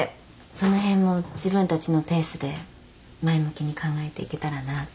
その辺も自分たちのペースで前向きに考えていけたらなって。